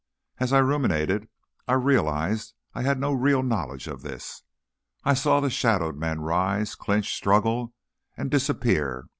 As I ruminated, I realized I had no real knowledge of this. I saw the shadowed men rise, clinch, struggle, and disappear.